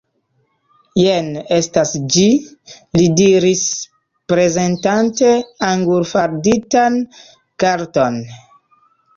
Jen estas ĝi, li diris, prezentante angulfalditan karton.